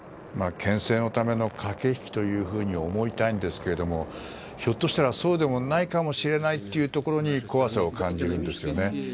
牽制のための駆け引きというふうに思いたいんですけれどもひょっとしたらそうでもないかもしれないというところに怖さを感じるんですよね。